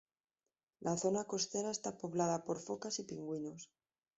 La zona costera está poblada por focas y pingüinos.